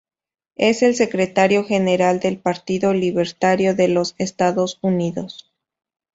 Es el Secretario general del Partido Libertario de los Estados Unidos.